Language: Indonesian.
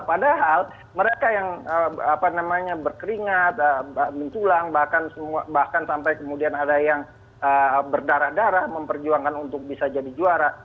padahal mereka yang berkeringat mentulang bahkan sampai kemudian ada yang berdarah darah memperjuangkan untuk bisa jadi juara